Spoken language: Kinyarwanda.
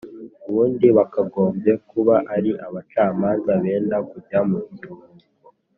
Ubundi bakagombye kuba ari abacamanza benda kujya mu kiruhuko